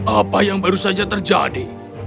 apa yang baru saja terjadi